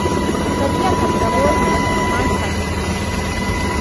Tuttavia, tali lavori non sono mai stati eseguiti.